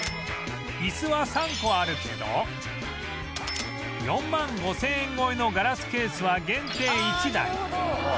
イスは３個あるけど４万５０００円超えのガラスケースは限定１台